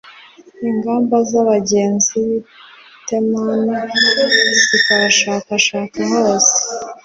imbaga z'abagenzi b'i temani zikayishakashaka hose